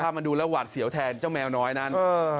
มาดูแล้วหวาดเสียวแทนเจ้าแมวน้อยนั้น